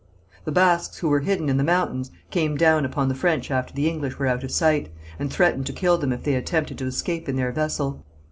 The Basques who were hidden in the mountains came down upon the French after the English were out of sight, and threatened to kill them if they attempted to escape in their vessel.